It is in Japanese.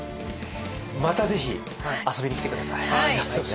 またぜひ遊びに来て下さい。